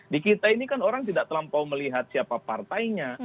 di kita ini kan orang tidak terlampau melihat siapa partainya